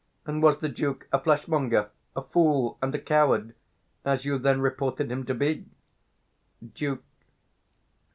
And was the Duke a flesh monger, a fool, and a coward, as you then reported him to be? _Duke.